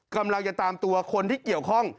กำลังจะตามตัวคนที่เกี่ยวข้อง